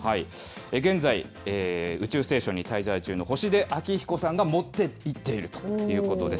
現在、宇宙ステーションに滞在中の星出彰彦さんが持っていっているということです。